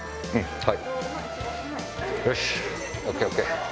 はい。